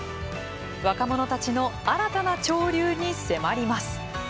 若者たちの新たな潮流に迫ります。